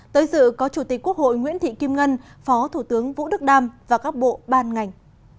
tới dự có chủ tịch quốc hội nguyễn thị kim ngân phó thủ tướng vũ đức đam và các bộ ban ngành